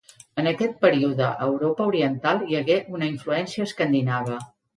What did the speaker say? En aquest període a Europa oriental hi hagué una influència escandinava.